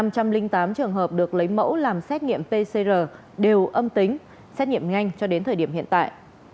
một trăm linh tám trường hợp được lấy mẫu làm xét nghiệm pcr đều âm tính xét nghiệm nhanh cho đến thời điểm hiện tại